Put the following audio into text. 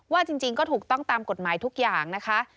จริงก็ถูกต้องตามกฎหมายทุกอย่างนะคะ